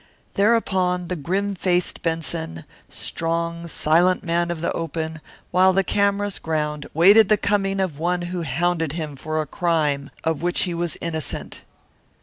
Thereupon the grim faced Benson, strong, silent man of the open, while the cameras ground, waited the coming of one who hounded him for a crime of which he was innocent.